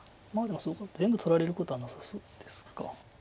まあでもそこ全部取られることはなさそうですが。